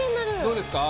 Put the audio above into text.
どうですか？